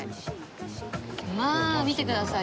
まあ見てください。